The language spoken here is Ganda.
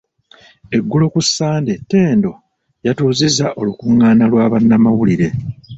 Eggulo ku Ssande, Tendo yatuuzizza olukung’aana lwa bannamawulire